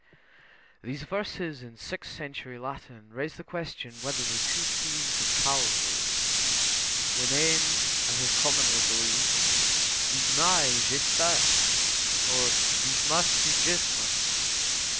15 These verses in sixth century Latin raise the question whether the two thieves of Calvary were named, as is commonly believed, Dismas and Gestas, or Dismas and Gesmas.